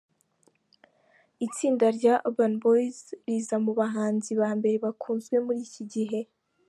Itsinda rya Urban Boyz, riza mu bahanzi ba mbere bakunzwe muri iki gihe.